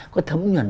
có thấm nhuận